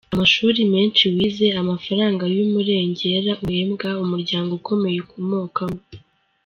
Amashuri menshi wize, amafaranga y’umurengera uhembwa, umuryango ukomeye ukomokamo .